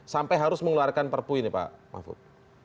sampai harus mengeluarkan perpu ini pak mahfud